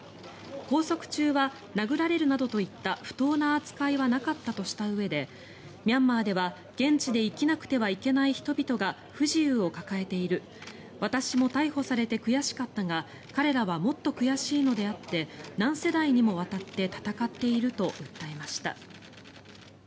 拘束中は殴られるなどといった不当な扱いはなかったとしたうえでミャンマーでは現地で生きなくてはいけない人々が不自由を抱えている私も逮捕されて悔しかったが彼らはもっと悔しいのであって何世代にもわたって闘っていると訴えました。